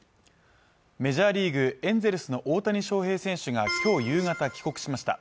メジャーリーグ、エンゼルスの大谷翔平選手がきょう夕方帰国しました